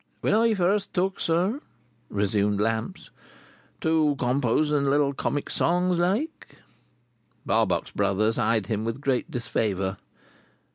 "When I first took, sir," resumed Lamps, "to composing little Comic Songs like—" Barbox Brothers eyed him with great disfavour.